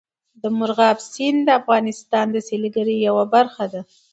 مورغاب سیند د افغانستان د سیلګرۍ یوه برخه ده.